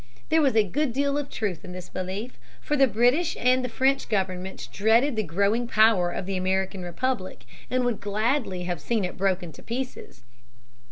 There was a good deal of truth in this belief. For the British and French governments dreaded the growing power of the American republic and would gladly have seen it broken to pieces.